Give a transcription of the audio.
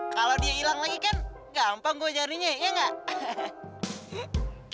kalau dia ilang lagi kan gampang gue carinya ya enggak